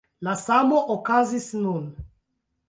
La samo okazis nun.